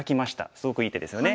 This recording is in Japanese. すごくいい手ですよね。